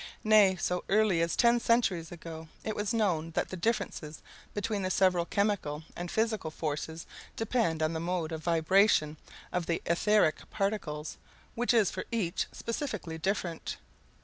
Nay, so early as ten centuries ago it was known that the differences between the several chemical and physical forces depend on the mode of vibration of the etheric particles, which is for each specifically different.